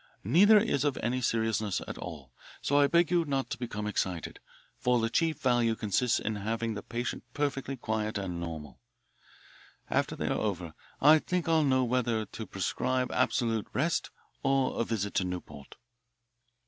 Neither is of any seriousness at all, so I beg of you not to become excited, for the chief value consists in having the patient perfectly quiet and normal. After they are over I think I'll know whether to prescribe absolute rest or a visit to Newport."